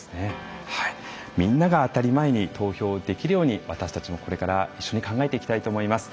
みんなが当たり前に投票できるように私たちもこれから一緒に考えていきたいと思います。